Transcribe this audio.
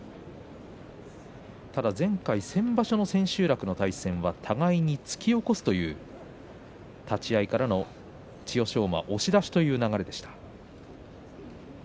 ただ前回、先場所千秋楽の対戦は互いに突き起こすという立ち合いからの千代翔馬の押し出しという流れでした。